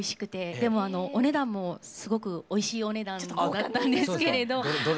でもお値段もすごくおいしいお値段だったんですけれど。